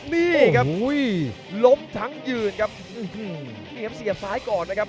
นี่ครับล้มทั้งยืนครับนี่ครับเสียบซ้ายก่อนนะครับ